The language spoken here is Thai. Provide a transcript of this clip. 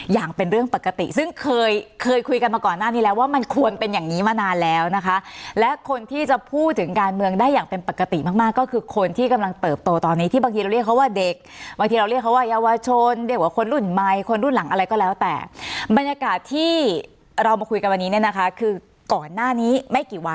อย่างเป็นเรื่องปกติซึ่งเคยเคยคุยกันมาก่อนหน้านี้แล้วว่ามันควรเป็นอย่างนี้มานานแล้วนะคะและคนที่จะพูดถึงการเมืองได้อย่างเป็นปกติมากมากก็คือคนที่กำลังเติบโตตอนนี้ที่บางทีเราเรียกเขาว่าเด็กบางทีเราเรียกเขาว่าเยาวชนเรียกว่าคนรุ่นใหม่คนรุ่นหลังอะไรก็แล้วแต่บรรยากาศที่เรามาคุยกันวันนี้เนี่ยนะคะคือก่อนหน้านี้ไม่กี่วัน